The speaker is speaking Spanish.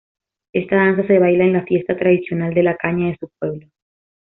Esta danza se baila en la fiesta tradicional de la caña de su pueblo.